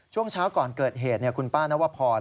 ช่วงเช้าก่อนเกิดเหตุคุณป้านวพร